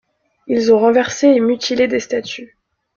Ils ont renversé et mutilé des statues.